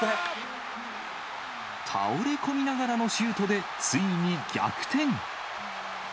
倒れ込みながらのシュートで、ついに逆転。